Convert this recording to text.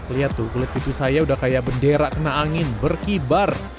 lihat tuh kulit pipi saya udah kayak bendera kena angin berkibar